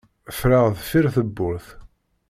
Ffreɣ deffir tewwurt.